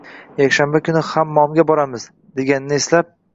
yakshanba kuni hammomga boramiz» deganini eslab